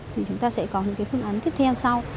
thì chúng ta sẽ có những cái phương án tiếp theo sau